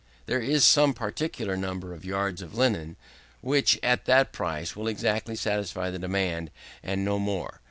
There is some particular number of yards of linen, which, at that price, will exactly satisfy the demand, and no more.